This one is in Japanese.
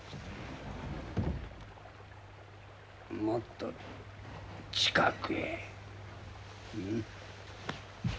もっと近くへ。